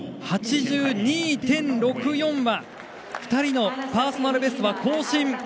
８２．６４は２人のパーソナルベストは更新。